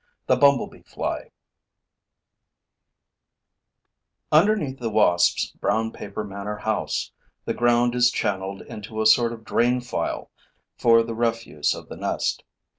THE BUMBLEBEE FLY Underneath the wasp's brown paper manor house, the ground is channeled into a sort of drain for the refuse of the nest.